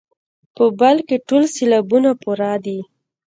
په بل کې ټول سېلابونه پوره دي.